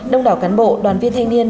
đông đảo cán bộ đoàn viên thanh niên